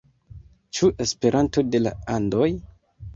Ĉu Esperanto de la Andoj?